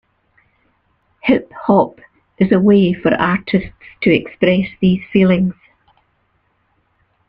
Hip hop is a way for artists to express these feelings.